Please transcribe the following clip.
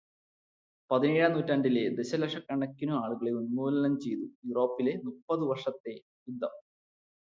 പതിനേഴാം നൂറ്റാണ്ടിലെ ദശലക്ഷക്കണക്കിനു ആളുകളെ ഉന്മൂലനം ചെയ്ത യൂറോപ്പിലെ മുപ്പതു വര്ഷത്തെ യുദ്ധം